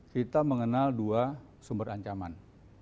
kita mengenal dua sumber ancaman